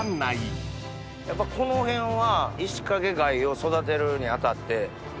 やっぱこの辺は。